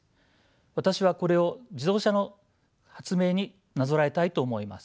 私はこれを自動車の発明になぞらえたいと思います。